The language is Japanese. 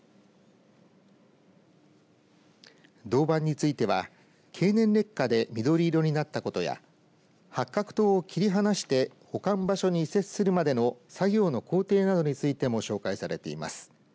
銅板については経年劣化で緑色になったことや八角塔を切り離して保管場所に移設するまでの作業の工程などについても紹介されています。